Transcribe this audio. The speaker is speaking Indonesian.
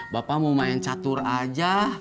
bapak mau main catur aja